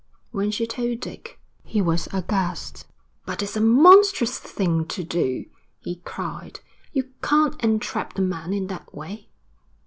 When she told Dick, he was aghast. 'But it's a monstrous thing to do,' he cried. 'You can't entrap the man in that way.'